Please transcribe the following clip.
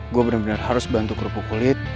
gue bener bener harus bantu kerupuk kulit